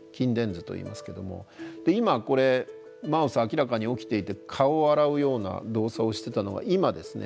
今これマウス明らかに起きていて顔を洗うような動作をしてたのが今ですね